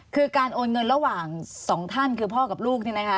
คือการโอนเงินระหว่างสองท่านคือพ่อกับลูกนี่นะคะ